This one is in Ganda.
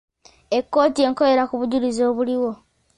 Kkooti ekolera ku bujulizi buliwo.